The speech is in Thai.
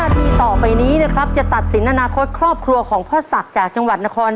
ทีต่อไปนี้นะครับจะตัดสินอนาคตครอบครัวของพ่อศักดิ์จากจังหวัดนคร